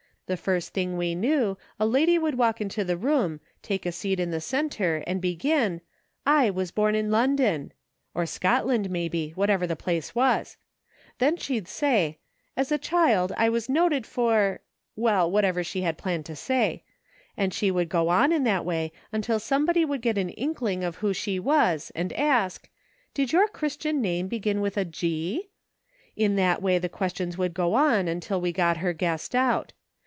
The first thing we knew, a lady would walk into the room, take a seat in the centre and begin, * I 206 DIFFERING WORLDS. was born in London,' or Scotland maybe, wherever the place was; then she'd say, 'As a child I was noted for,' well, whatever she had planned to say ; and she would go on in that way until somebody would get an inkling of who she was, and ask, 'Did your Christian name begin with aG'? In that way the questions would go on until we got her guessed out.